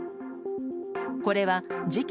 これは事件